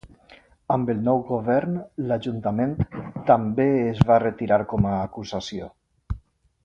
Amb el nou govern, l'Ajuntament també es va retirar com a acusació.